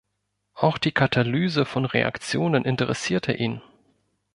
Auch die Katalyse von Reaktionen interessierte ihn.